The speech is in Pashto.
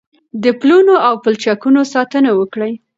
د پلونو او پلچکونو ساتنه وکړئ.